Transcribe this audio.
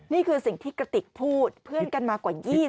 นี่คือสิ่งที่กระติกพูดเพื่อนกันมากว่า๒๐